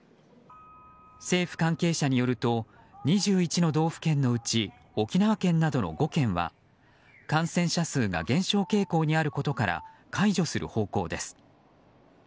政府関係者によると２１の道府県のうち沖縄県などの５県は感染者数が減少傾向にあることから解除する方向です。